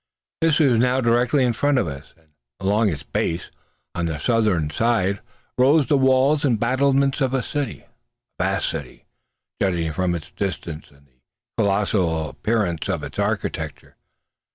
This was now directly in front of us; and along its base, on the southern side, rose the walls and battlements of a city a vast city, judging from its distance and the colossal appearance of its architecture.